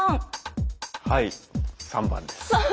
はい３番です。